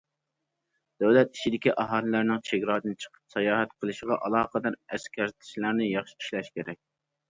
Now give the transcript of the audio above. دۆلەت ئىچىدىكى ئاھالىلەرنىڭ چېگرادىن چىقىپ ساياھەت قىلىشىغا ئالاقىدار ئەسكەرتىشلەرنى ياخشى ئىشلەش كېرەك.